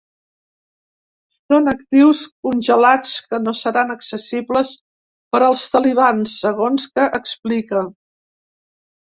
Són actius congelats que no seran accessibles per als talibans, segons que explica.